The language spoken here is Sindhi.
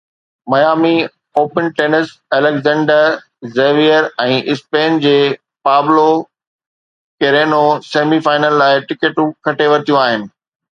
Miami Open tennis Alexander Zverev ۽ Spain جي پابلو ڪيرينو سيمي فائنل لاءِ ٽڪيٽون کٽي ورتيون آهن.